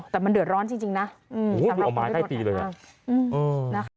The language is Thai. แต่มันเดือดร้อนจริงนะอ๋อออกไม้ได้ปีเลยล่ะ